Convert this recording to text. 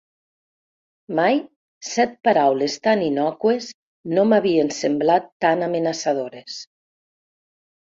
Mai set paraules tan innòcues no m'havien semblat tan amenaçadores.